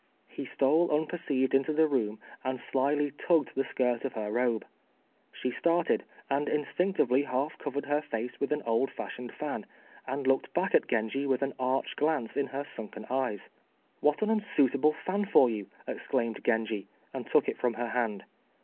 He stole unperceived into the room, and slyly tugged the skirt of her robe. She started, and instinctively half concealed her face with an old fashioned fan, and looked back at Genji with an arch glance in her sunken eyes. "What an unsuitable fan for you!" exclaimed Genji, and took it from her hand.